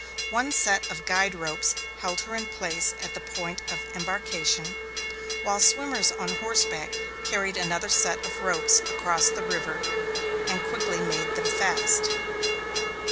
One set of guide ropes held her in place at the point of embarkation, while swimmers on horseback carried another set of ropes across the river and quickly made them fast.